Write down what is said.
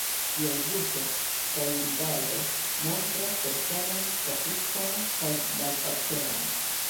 Ŝiaj buŝo kaj rigardo montras personon kaprican kaj malpaceman.